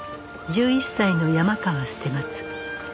１１歳の山川捨松